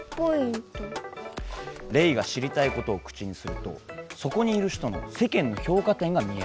レイが知りたいことを口にするとそこにいる人の「せけんのひょうか点」が見えるんだ。